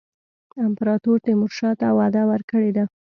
امپراطور تیمورشاه ته وعده ورکړې ده.